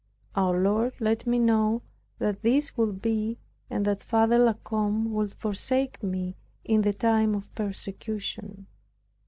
Our Lord let me know that this would be and that Father La Combe would forsake me in the time of persecution.